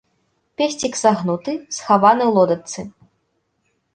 Песцік сагнуты, схаваны ў лодачцы.